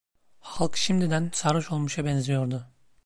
Halk şimdiden sarhoş olmuşa benziyordu.